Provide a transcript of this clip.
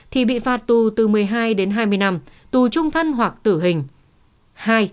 thì bị phạt tù từ một mươi hai đến hai mươi năm tù trung thân hoặc tử hình